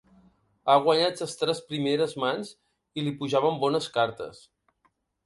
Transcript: Ha guanyat les tres primeres mans i li pujaven bones cartes.